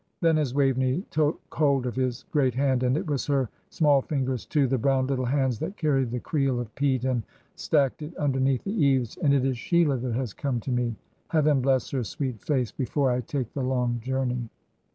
Then, as Waveney took hold of his great hand, "and it was her small fingers, too, the brown little hands that carried the creel of peat, and stacked it underneath the eaves; and it is Sheila that has come to me Heaven bless her sweet face! before I take the long journey."